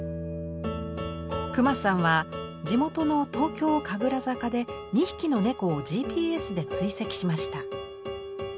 隈さんは地元の東京・神楽坂で２匹の猫をＧＰＳで追跡しました。